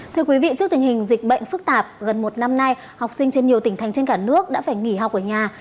thưa quý vị trước tình hình dịch bệnh phức tạp gần một năm nay học sinh trên nhiều tỉnh thành trên cả nước đã phải nghỉ học ở nhà